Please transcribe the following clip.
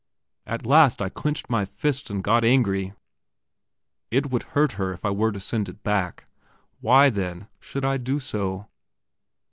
At last I clenched my fists and got angry. It would hurt her if I were to send it back. Why, then, should I do so?